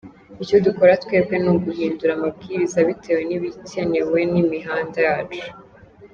Icyo dukora twebwe ni uguhindura amabwiriza bitewe n’ibikenewe ku mihanda yacu.